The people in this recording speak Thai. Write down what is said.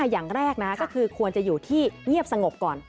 อย่างแรกก็คือควรจะอยู่ที่เงียบสงบก่อน